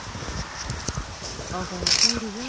覚えているよ。